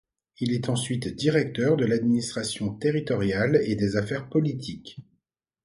Il est ensuite directeur de l’administration territoriale et des affaires politiques.